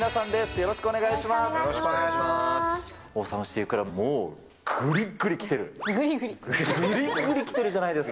よろしくお願いします。